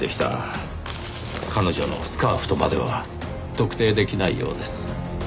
彼女のスカーフとまでは特定できないようです。